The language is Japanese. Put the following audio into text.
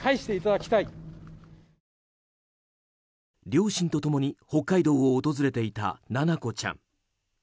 両親と共に北海道を訪れていた七菜子ちゃん。